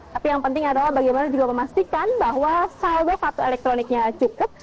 tapi yang penting adalah bagaimana juga memastikan bahwa saldo kartu elektroniknya cukup